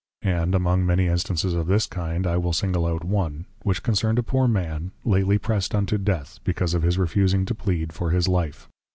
And, among many instances of this kind, I will single out one, which concerned a poor man, lately Prest unto Death, because of his Refusing to Plead for his Life.